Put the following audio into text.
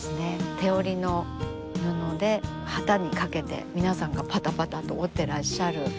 手織りの布で機にかけて皆さんがぱたぱたと織ってらっしゃる布ですね。